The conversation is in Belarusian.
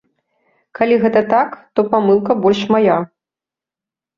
Калі гэта так, то памылка больш мая.